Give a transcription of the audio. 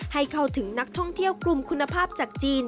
ให้เข้าถึงนักท่องเที่ยวกลุ่มคุณภาพจากจีน